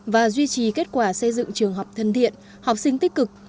và duy trì kết quả xây dựng trường học thân thiện học sinh tích cực